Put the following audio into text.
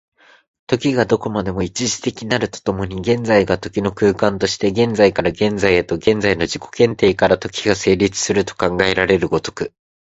時がどこまでも一度的なると共に、現在が時の空間として、現在から現在へと、現在の自己限定から時が成立すると考えられる如く、